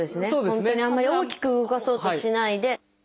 本当にあんまり大きく動かそうとしないで。